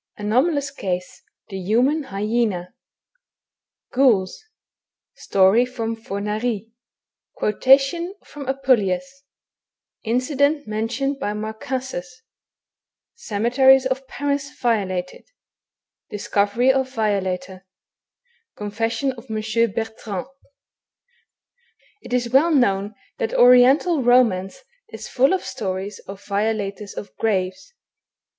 ANOMALOUS CASE. — THE HUMAN HY ZENA, Ghouls — Story from Fornari — Qaotation fixnn Apaleius — Incident mentioned by Marcassus— Cemeteries of Paris violated— Discoveiy of Violator — Confession of M. Bertrand. It is well known that Oriental romance is full of stories of violators of graves.